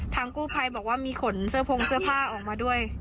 กู้ภัยบอกว่ามีขนเสื้อพงเสื้อผ้าออกมาด้วย